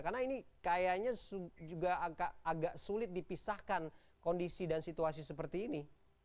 karena ini kayaknya juga agak sulit dipisahkan kondisi dan situasi seperti ini